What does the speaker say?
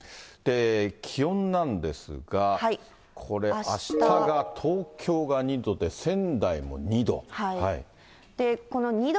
気温なんですが、これ、あしたが東京が２度で仙台も２度。